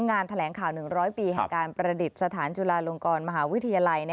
งานแถลงข่าว๑๐๐ปีแห่งการประดิษฐานจุฬาลงกรมหาวิทยาลัย